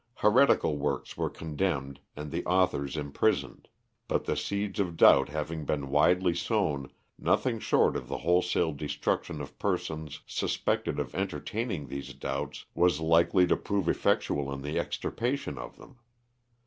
Heretical works were condemned and the authors imprisoned; but the seeds of doubt having been widely sown, nothing short of the wholesale destruction of persons suspected of entertaining these doubts was likely to prove effectual in the extirpation of them.